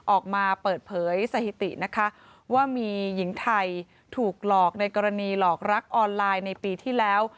ออกมาเปิดเผยสถิตินะคะว่ามีหญิงไทยถูกหลอกในกรณีหลอกรักออนไลน์ในปีที่แล้ว